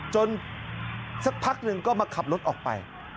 สักพักหนึ่งก็มาขับรถออกไป